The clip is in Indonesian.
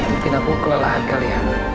mungkin aku kelelahan kali ya